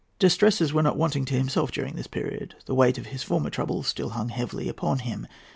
Distresses were not wanting to himself during this period. The weight of his former troubles still hung heavily upon him.